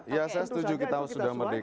ya saya setuju kita sudah merdeka